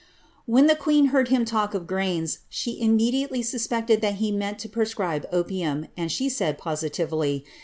""^^ When the queen heard him talk of grains, she immediately suspectd that he meant to prescribe opium, and she said, positively, that ihi >' LetitT of Hollis.